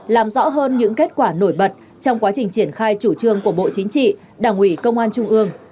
làm rõ hơn những kết quả nổi bật trong quá trình triển khai chủ trương của bộ chính trị đảng ủy công an trung ương